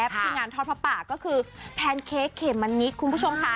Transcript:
ที่งานทอดผ้าป่าก็คือแพนเค้กเขมมะนิดคุณผู้ชมค่ะ